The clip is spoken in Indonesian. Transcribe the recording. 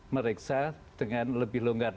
meriksa dengan lebih longgar